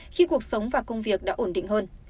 khi cuộc sống và công việc đã ổn định hơn